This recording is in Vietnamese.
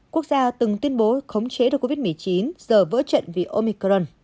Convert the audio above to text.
quốc gia từng tuyên bố khống chế được covid một mươi chín giờ vỡ trận vì omicron